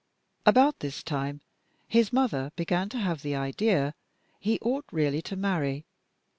About this time his mother began to have the idea he ought really to marry.